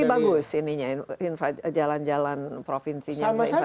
tapi bagus jalan jalan provinsi yang ada infrastruktur